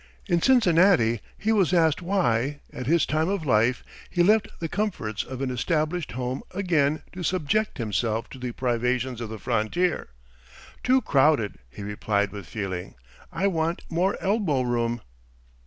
In Cincinnati he was asked why, at his time of life, he left the comforts of an established home again to subject himself to the privations of the frontier. "Too crowded!" he replied with feeling. "I want more elbow room!"